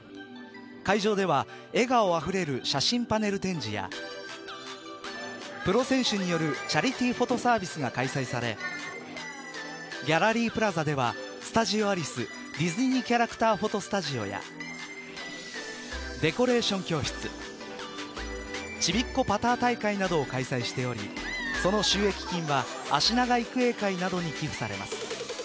会場では笑顔あふれる写真パネル展示やプロ選手によるチャリティーフォトサービスが開催されギャラリープラザではスタジオアリスディズニーキャラクターフォトスタジオやデコレーション教室ちびっこパター大会などを開催しておりその収益金はあしなが育英会などに寄付されます。